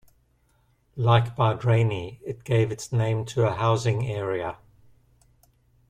Like Bardrainney, it gave its name to a housing area.